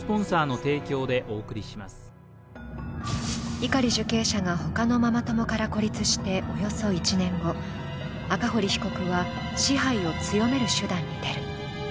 碇受刑者がほかのママ友から孤立しておよそ１年後、赤堀被告は支配を強める手段に出る。